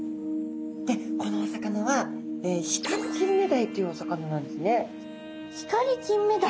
でこのお魚はヒカリキンメダイっていうお魚なんですね。ヒカリキンメダイ。